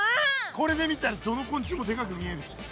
これで見たらどの昆虫もでかく見えるし。